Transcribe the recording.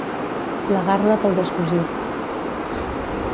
Plegar-la pel descosit.